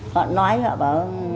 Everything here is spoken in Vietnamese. họ nói họ bảo